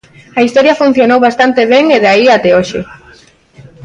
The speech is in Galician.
A historia funcionou bastante ben e de aí até hoxe.